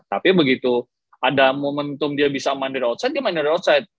tapi begitu ada momentum dia bisa main dari outside dia main dari outside